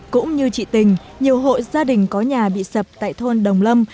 cũng như chị tình nhiều hộ gia đình có nhà bị sập tại thôn đồng lâm